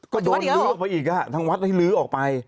ก็โดนลื้อออกไปอีกครับอาทิศทร์วัดลื้อออกไป